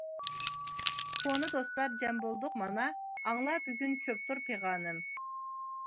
كونا دوستلار جەم بولدۇق مانا، ئاڭلا بۈگۈن كۆپتۇر پىغانىم.